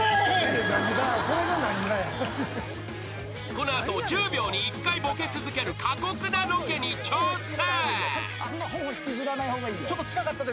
［この後１０秒に１回ボケ続ける過酷なロケに挑戦］